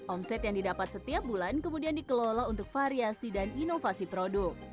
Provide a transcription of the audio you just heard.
omset yang didapat setiap bulan kemudian dikelola untuk variasi dan inovasi produk